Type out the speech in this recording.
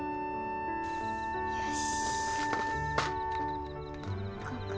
よし。